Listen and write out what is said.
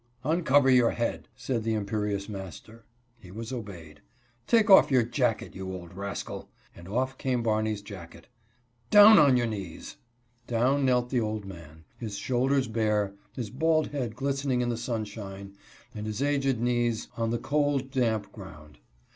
" Uncover your head," said the imperious master ; he was obeyed. " Take off your jacket, you old rascal !" and off came Barney's jacket. " Down on your knees !" Down knelt the old man, his shoulders bare, his bald head glistening in the sunshine, and his aged knees on the cold, damp ground.